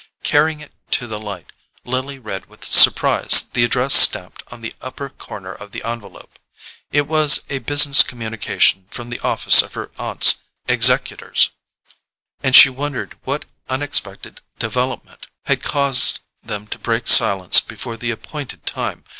Carrying it to the light, Lily read with surprise the address stamped on the upper corner of the envelope. It was a business communication from the office of her aunt's executors, and she wondered what unexpected development had caused them to break silence before the appointed time.